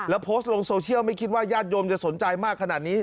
แล้วโพสต์ลงโซเชียลไม่คิดว่าญาติโยมจะสนใจมากขนาดนี้